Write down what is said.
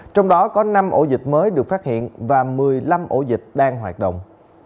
trong đó có năm ổ dịch mới được phát hiện và một mươi năm ổ dịch đang hoạt động